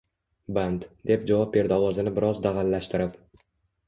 Band, deb javob berdi ovozini biroz dag`allashtirib